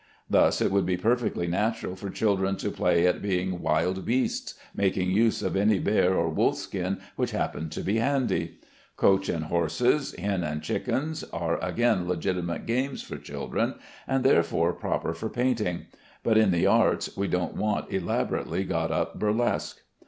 Thus it would be perfectly natural for children to play at being wild beasts, making use of any bear or wolf skin which happened to be handy. Coach and horses, hen and chickens, are again legitimate games for children, and therefore proper for painting; but in the arts we don't want elaborately got up burlesque.